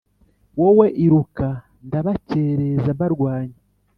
wowe iruka ndabakereza mbarwanya"